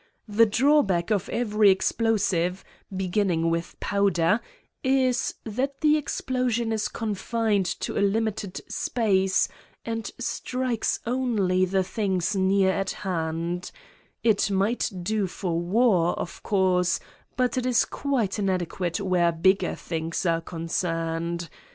The drawback of every explosive, beginning with powder, is that the explosion is confined to a limited space and strikes only the things near at hand : it might do for war, of course, but it is quite inadequate where bigger things are concerned.